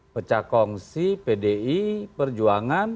pecahkongsi pdi perjuangan